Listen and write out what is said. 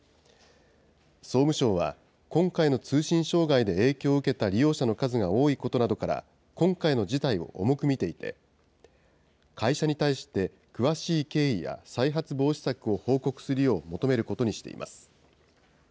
総務省は、今回の通信障害で影響を受けた利用者の数が多いことなどから、今回の事態を重く見ていて、会社に対して詳しい経緯や再発防止策を報告するよう求めることにしています。